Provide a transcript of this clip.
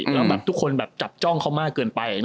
แล้วแบบทุกคนแบบจับจ้องเขามากเกินไป